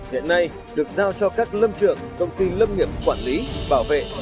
hiện nay được giao cho các lâm trưởng công ty lâm nghiệp quản lý bảo vệ